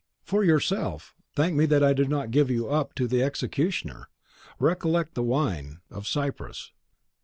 For yourself, thank me that I do not give you up to the executioner; recollect the wine of Cyprus.